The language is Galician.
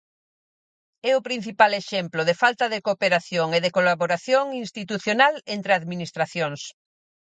É o principal exemplo de falta de cooperación e de colaboración institucional entre administracións.